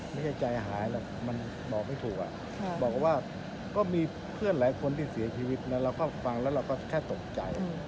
ไม่ใช่ใจหายหรอกมันบอกไม่ถูกบอกว่าก็มีเพื่อนหลายคนที่เสียชีวิตนะเราก็ฟังแล้วเราก็แค่ตกใจ